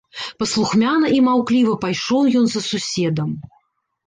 Паслухмяна і маўкліва пайшоў ён за суседам.